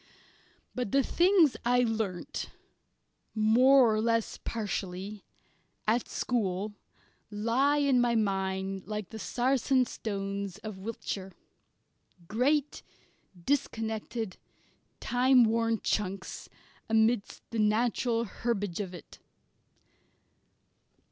But the things I learnt, more or less partially, at school, lie in my mind, like the "Sarsen" stones of Wiltshire great, disconnected, time worn chunks amidst the natural herbage of it.